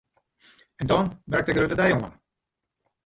En dan brekt de grutte dei oan!